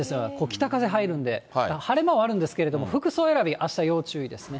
北風入るんで、晴れ間はあるんですけども、服装選び、あした要注意ですね。